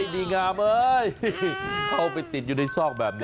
ดีงามเอ้ยเข้าไปติดอยู่ในซอกแบบนี้